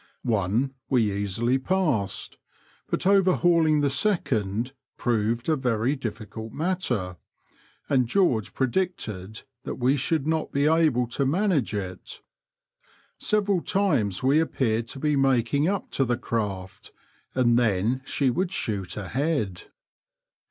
One we easily passed, but overhauling the second proved a very difficult matter? and George predicted that we should not be able to manage it. Several times we appeared to be making up to the craft, and then she would shoot ahead.